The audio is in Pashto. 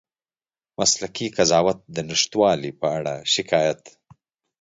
مسلکي قضاوت د نشتوالي په اړه شکایت